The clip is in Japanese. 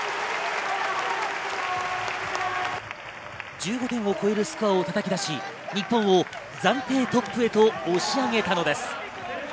１５点を超えるスコアをたたき出し、日本を暫定トップへと押し上げたのです。